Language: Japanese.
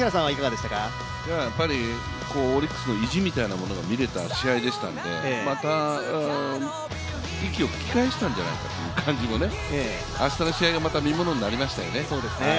オリックスの意地みたいなのが見られた試合でしたのでまた息を吹き返したんじゃないかなという感じも、明日の試合がまた見ものになりましたよね。